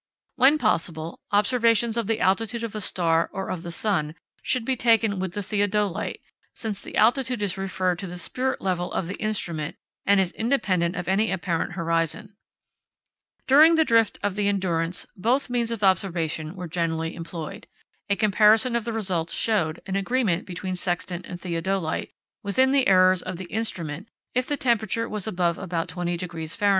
When possible, observations of the altitude of a star or of the sun should be taken with the theodolite, since the altitude is referred to the spirit level of the instrument, and is independent of any apparent horizon. During the drift of the Endurance both means of observation were generally employed. A comparison of the results showed an agreement between sextant and theodolite, within the errors of the instrument if the temperature was above about 20° Fahr.